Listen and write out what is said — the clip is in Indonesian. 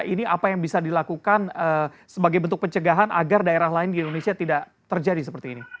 ini apa yang bisa dilakukan sebagai bentuk pencegahan agar daerah lain di indonesia tidak terjadi seperti ini